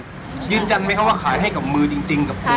ยืนยันมั้ยว่าขายให้กับมือจริงกับครูพิชา